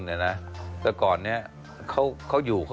แต่ก่อนนี้เขาอยู่